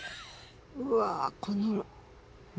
うわこのね。